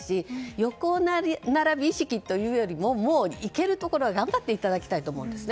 横並び意識というよりも行けるところは頑張っていただきたいと思うんですね。